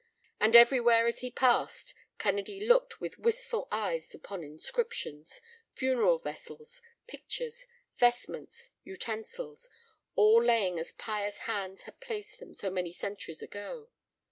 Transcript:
And everywhere as he passed Kennedy looked with wistful eyes upon inscriptions, funeral vessels, pictures, vestments, utensils, all lying as pious hands had placed them so many centuries ago.